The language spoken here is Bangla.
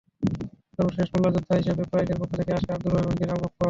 সর্বশেষ মল্লযোদ্ধা হিসেবে কুরাইশদের পক্ষ থেকে আসে আব্দুর রহমান বিন আবু বকর।